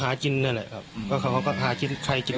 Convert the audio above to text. บางวันของเขาก็ไม่ได้ทำงานไปเลย